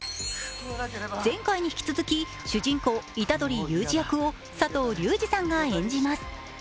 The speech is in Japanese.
前回に引き続き、主人公・虎杖悠仁役を佐藤流司さんが演じます。